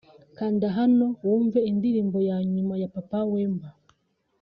Kanda hano wumve indirimbo ya nyuma ya Papa Wemba